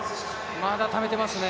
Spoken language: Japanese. まだためてますね。